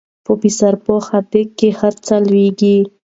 په بې سرپوښه ديګ کې هر څه لوېږي